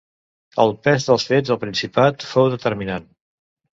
El pes dels fets al Principat fou determinant.